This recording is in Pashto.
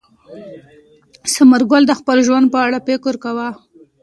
ثمر ګل د خپل ژوند په اړه فکر کاوه.